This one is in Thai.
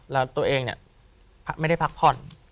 แล้วตัวเองเนี่ยไม่ได้พักผ่อน